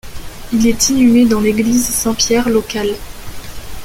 Il est inhumé dans l'église Saint-Pierre locale.